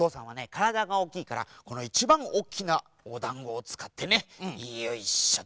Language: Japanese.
からだがおおきいからこのいちばんおっきなおだんごをつかってねよいしょと。